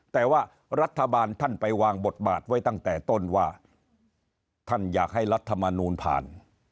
แต่ว่ารัฐบาลท่านไปวางบทบาทไว้ตั้งแต่ต้นว่าท่านอยากให้รัฐมนูลผ่าน